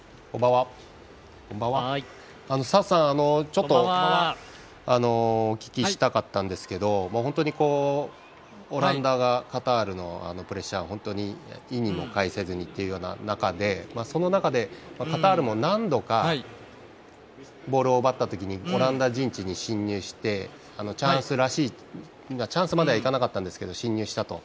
佐藤さん、ちょっとお聞きしたかったんですけど本当にオランダがカタールのプレッシャーを本当に意にもかえさずにというところでその中で、カタールも何度かボールを奪ったときにオランダ陣地に進入してチャンスまではいかなかったんですけど進入したと。